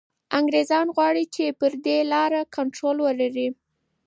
انګریزان غواړي چي پر دې لاره کنټرول ولري.